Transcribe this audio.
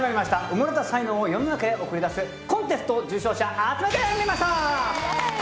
埋もれた才能を世の中へ送り出すコンテスト受賞者集めてみました！